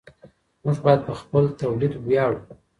موږ باید په خپل تولید ویاړو.